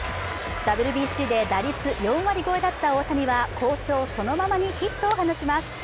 ＷＢＣで打率４割超えだった大谷は好調そのままにヒットを放ちます。